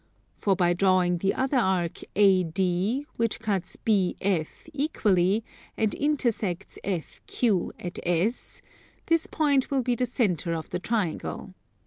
For by drawing the other arc AD which cuts BF equally, and intersects FQ at S, this point will be the centre of the triangle.